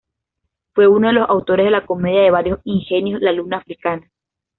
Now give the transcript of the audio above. Fue uno de los autores de la comedia de varios ingenios "La luna africana".